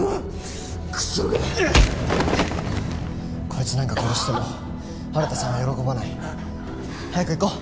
こいつなんか殺しても新さんは喜ばない。早く行こう！